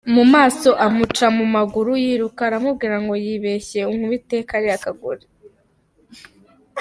mu maso amuca mu maguru yiruka aramubwira ngo wibeshye unkubite kariya kagore.